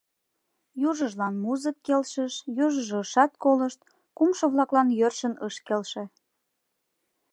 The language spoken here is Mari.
Южыжлан музык келшыш, южыжо ышат колышт, кумшо-влаклан йӧршын ыш келше.